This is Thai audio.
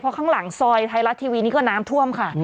เพราะข้างหลังซอยไทยรัฐทีวีนี่ก็น้ำท่วมค่ะ